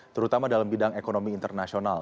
terutama dalam bidang ekonomi internasional